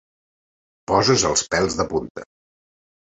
Poses els pèls de punta.